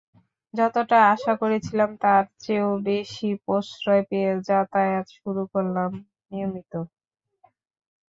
যতটা আশা করেছিলাম তার চেয়েও বেশি প্রশ্রয় পেয়ে যাতায়াত শুরু করলাম নিয়মিত।